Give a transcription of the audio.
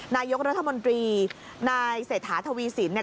นายกรัฐมนตรีนายเศรษฐาทวีสินเนี่ย